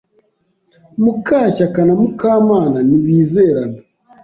Mukashyaka na Mukamana ntibizerana.